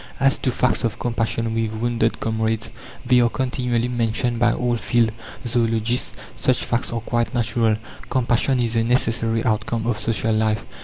As to facts of compassion with wounded comrades, they are continually mentioned by all field zoologists. Such facts are quite natural. Compassion is a necessary outcome of social life.